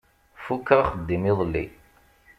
Fukkeɣ axeddim iḍelli.